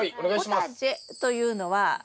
ポタジェというのは。